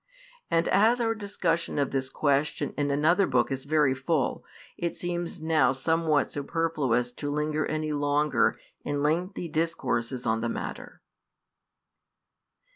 And as our discussion of this question in another book is very full, it seems now somewhat superfluous to linger any further in lengthy discourses on the matter.